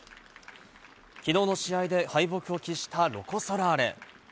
きのうの試合で敗北を喫したロコ・ソラーレ。